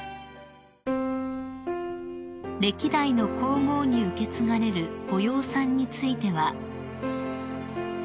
［歴代の皇后に受け継がれるご養蚕については］